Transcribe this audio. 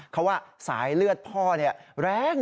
เขาว่าสายเลือดพ่อแรง